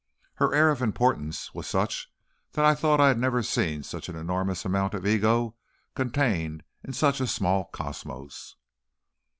Her air of importance was such that I thought I had never seen such an enormous amount of ego contained in such a small cosmos.